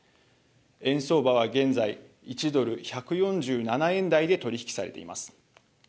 円相場は現在、１ドル１４７円台で取り引きされています。